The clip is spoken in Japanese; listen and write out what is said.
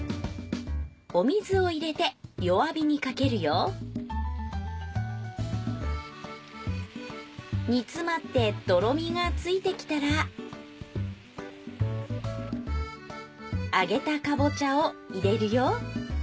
お水を入れて弱火にかけるよ煮詰まってとろみがついてきたら揚げたかぼちゃを入れるよ。